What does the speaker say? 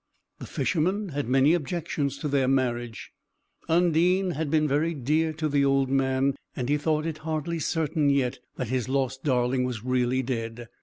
The Fisherman had many objections to their marriage; Undine had been very dear to the old man and he thought it hardly certain yet that his lost darling was really dead.